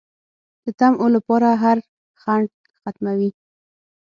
د طمعو لپاره هر خنډ ختموي